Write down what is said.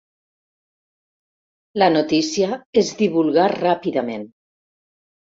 La notícia es divulgà ràpidament.